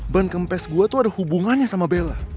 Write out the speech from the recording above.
ban kempes gue tuh ada hubungannya sama bella